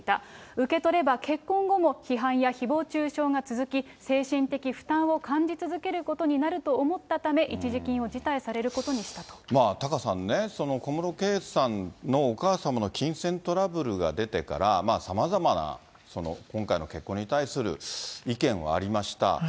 受け取れば結婚後も批判やひぼう中傷が続き、精神的負担を感じ続けることになると思ったため、タカさんね、小室圭さんのお母様の金銭トラブルが出てから、さまざまな今回の結婚に対する意見はありました。